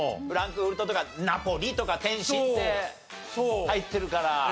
フランクフルトとかナポリとか天津って入ってるから。